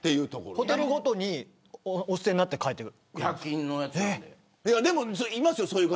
ホテルごとにお捨てになっているんですか。